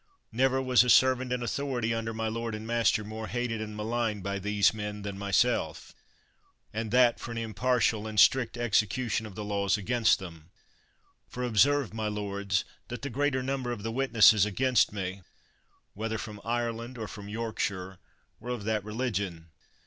Never was a servant in authority under 69 THE WORLD'S FAMOUS ORATIONS my lord and master more hated and maligned by these men than myself, and that for an impar tial and strict execution of the laws against them; for observe, my lords, that the greater number of the witnesses against me, whether from Ireland or from Yorkshire, were of that religion.